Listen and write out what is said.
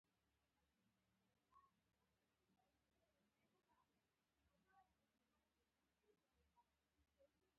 ایا پوهېږې؟ په پښتو کې د نقل قول لپاره کوم قوسونه کارېږي.